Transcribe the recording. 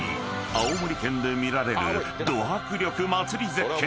［青森県で見られるド迫力祭り絶景］